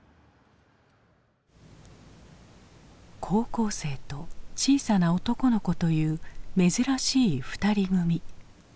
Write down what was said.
高校生と小さな男の子という珍しい２人組。